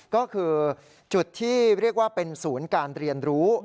ก็คือจุดที่เรียกว่าเป็นศูนย์การเรียนรู้